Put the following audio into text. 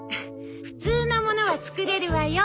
普通のものは作れるわよ。